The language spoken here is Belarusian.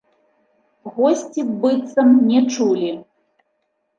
Госці быццам не чулі.